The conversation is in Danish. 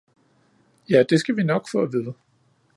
Ja, det skal vi nok få at vide!